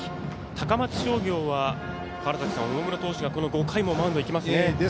高松商業は大室投手が５回もマウンドに行きますね。